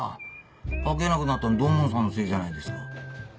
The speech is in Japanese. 描けなくなったの土門さんのせいじゃないですか。